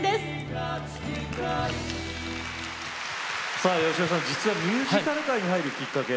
さあ芳雄さん実はミュージカル界に入るきっかけ